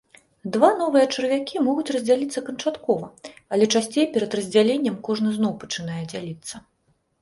Два новыя чарвякі могуць раздзяліцца канчаткова, але часцей перад раздзяленнем кожны зноў пачынае дзяліцца.